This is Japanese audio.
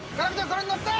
それに乗って。